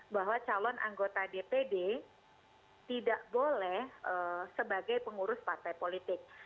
bahwa calon anggota dpd tidak boleh sebagai pengurus partai politik